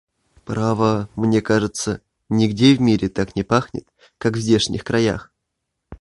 Право, мне кажется, нигде в мире так не пахнет, как в здешних краях!